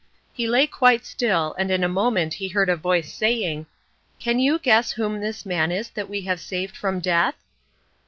He lay quite still, and in a moment he heard a voice saying, "Can you guess whom this man is that we have saved from death?"